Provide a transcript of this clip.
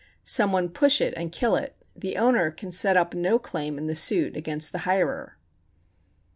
] some one push it, and kill it, the owner can set up no claim in the suit [against the hirer].